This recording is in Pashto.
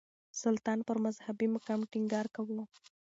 سلطان پر مذهبي مقام ټينګار کاوه.